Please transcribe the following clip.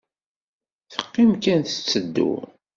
Teqqim kan tetteddu.